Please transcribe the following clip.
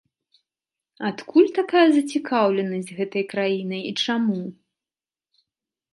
Адкуль такая зацікаўленасць гэтай краінай і чаму?